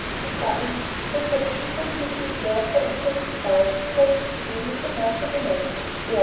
Befuddled, his perceptions hopelessly blurred by excessive wine, Claggett Chew made a mark on the map. "There!"